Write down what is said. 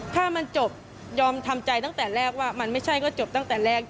ถ้ามันจบยอมทำใจตั้งแต่แรกว่ามันไม่ใช่ก็จบตั้งแต่แรก